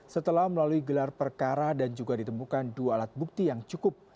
setelah melalui gelar perkara dan juga ditemukan dua alat bukti yang cukup